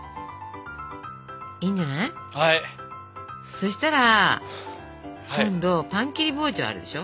そしたら今度パン切り包丁あるでしょ。